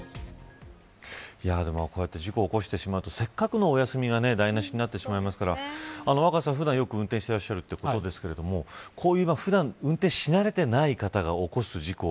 でも、こうやって事故を起こしてしまうとせっかくのお休みが台無しになってしまいますから若狭さん、普段よく運転していらっしゃるということですが普段、運転し慣れていない方が起こす事故。